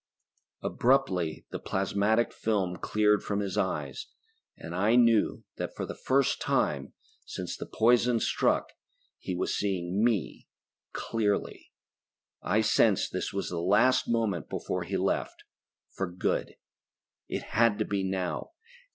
Abruptly the plasmatic film cleared from his eyes and I knew that for the first time, since the poison struck, he was seeing me, clearly. I sensed that this was the last moment before he left for good. It had to be now!